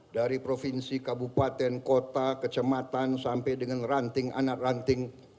dari provinsi kabupaten kota kecematan sampai dengan ranting anak ranting